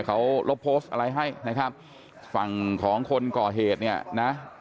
เขาลบโพสต์อะไรให้นะครับฝั่งของคนก่อเหตุเนี่ยนะ